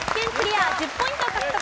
１０ポイント獲得です。